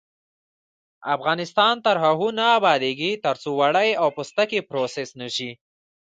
افغانستان تر هغو نه ابادیږي، ترڅو وړۍ او پوستکي پروسس نشي.